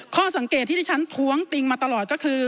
ข้อสังเกตที่ที่ฉันท้วงติงมาตลอดก็คือ